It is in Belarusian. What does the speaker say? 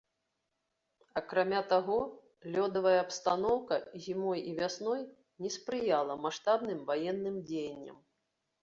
Акрамя таго, лёдавая абстаноўка зімой і вясной не спрыяла маштабным ваенным дзеянням.